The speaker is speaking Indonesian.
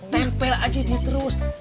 tempel aja dia terus